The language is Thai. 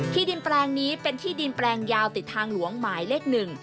ที่ดินแปลงนี้เป็นที่ดินแปลงยาวติดทางหลวงหมายเลขหนึ่ง